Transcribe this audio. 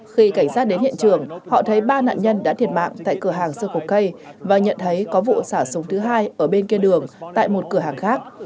khi cảnh sát đến hiện trường họ thấy ba nạn nhân đã thiệt mạng tại cửa hàng sơ cổ cây và nhận thấy có vụ xả súng thứ hai ở bên kia đường tại một cửa hàng khác